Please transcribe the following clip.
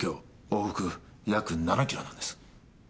往復約７キロなんです。